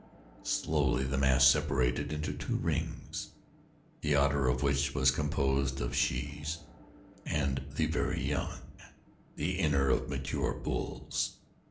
Slowly the mass separated into two rings, the outer of which was composed of shes and the very young, the inner of mature bulls.